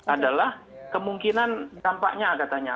adalah kemungkinan dampaknya katanya